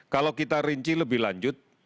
kalau kita rinci lebih lanjut